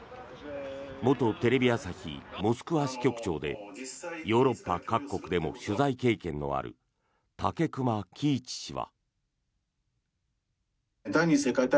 元テレビ朝日モスクワ支局長でヨーロッパ各国でも取材経験のある武隈喜一氏は。